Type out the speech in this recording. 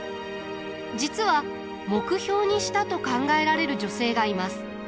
実は目標にしたと考えられる女性がいます。